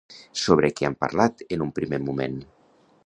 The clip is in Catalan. Sobre què han parlat en un primer moment?